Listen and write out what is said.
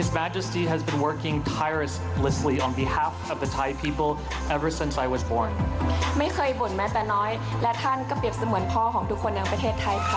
ไม่เคยบ่นแม้แต่น้อยและท่านก็เปรียบเสมือนพ่อของทุกคนในประเทศไทยค่ะ